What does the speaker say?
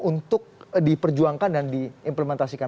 untuk diperjuangkan dan diimplementasikan